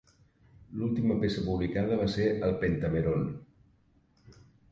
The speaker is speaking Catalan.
L'última peça publicada va ser "Pentameron".